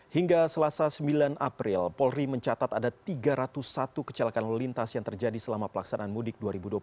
hingga selasa sembilan april polri mencatat ada tiga ratus satu kecelakaan lalu lintas yang terjadi selama pelaksanaan mudik dua ribu dua puluh satu